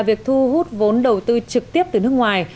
việc thu hút vốn đầu tư trực tiếp từ nước ngoài